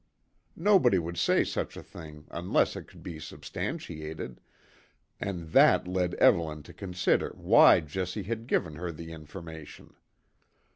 Nobody would say such a thing unless it could be substantiated, and that led Evelyn to consider why Jessie had given her the information.